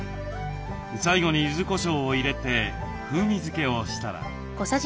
最後にゆずこしょうを入れて風味付けをしたら。